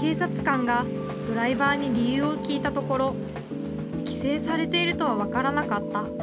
警察官がドライバーに理由を聞いたところ、規制されているとは分からなかった。